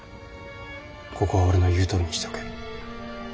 ここは俺の言うとおりにしておけ。